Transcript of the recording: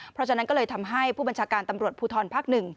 เพราะฉะนั้นก็เลยทำให้ผู้บัญชาการตำรวจภูทรภาค๑